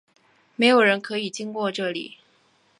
没有人可以经过这里！